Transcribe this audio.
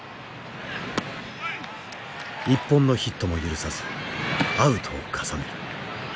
一本のヒットも許さずアウトを重ねる。